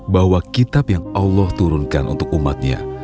bahwa kitab yang allah turunkan untuk umatnya